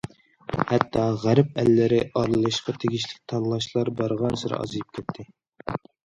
ھەتتا غەرب ئەللىرى ئارىلىشىشقا تېگىشلىك تاللاشلار بارغانسېرى ئازىيىپ كەتتى.